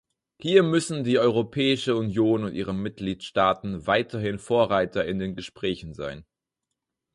Hier müssen die Europäische Union und ihre Mitgliedstaaten weiterhin Vorreiter in den Gesprächen sein.